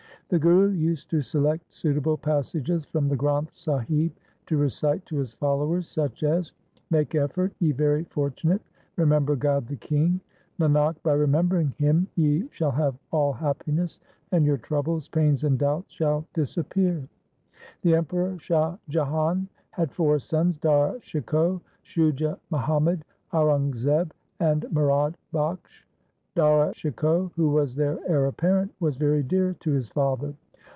1 The Guru used to select suitable passages from the Granth Sahib to recite to his followers, such as: — Make effort, ye very fortunate, remember God the King ; Nanak, by remembering Him ye shall have all happiness, and your troubles, pains and doubts shall disappear. 2 The Emperor Shah Jahan had four sons Dara Shikoh, Shuja Muhammad, Aurangzeb, and Murad Bakhsh. Dara Shikoh, who was the heir apparent, was very dear to his father.